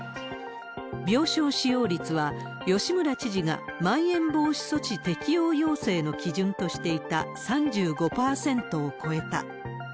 病床使用率は吉村知事がまん延防止措置適用要請の基準としていた３５％を超えた。